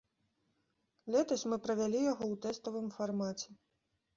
Летась мы правялі яго ў тэставым фармаце.